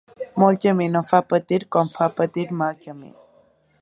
Molt camí no fa patir, com fa patir mal camí.